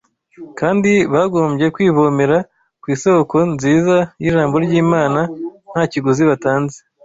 kandi bagombye kwivomera ku isoko nziza y’Ijambo ry’Imana nta kiguzi batanze?